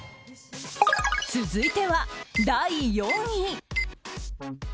続いては第４位。